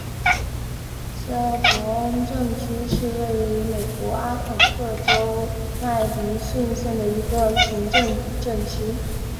希尔伯恩镇区是位于美国阿肯色州麦迪逊县的一个行政镇区。